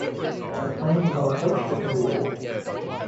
The plane was on approach to Kabul.